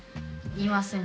いません。